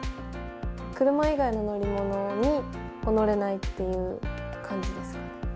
車以外の乗り物に乗れないっていう感じですね。